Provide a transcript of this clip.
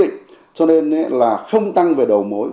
định cho nên là không tăng về đầu mối